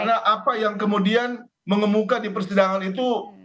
karena apa yang kemudian mengemuka di persidangan itu